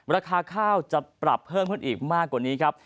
ราคาข้าวจะปรับเพิ่มขึ้นอีกมากกว่านี้ครับ